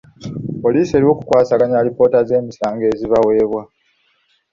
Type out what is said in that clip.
Poliisi eriwo kukwasaganya alipoota z'emisango ezibaweebwa.